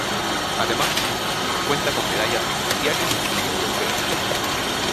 Además, cuenta con medallas en Mundiales y Europeos.